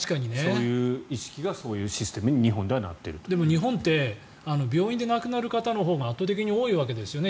そういう意識がそういうシステムにでも日本って病院で亡くなる方のほうが圧倒的に多いわけですよね